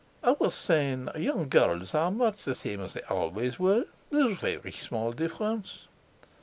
"I was sayin', young gurls are much the same as they always were—there's very small difference."